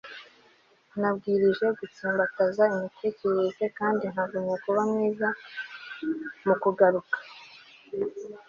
nabwirijwe gutsimbataza imitekerereze kandi nkagumya kuba mwiza mu kugaruka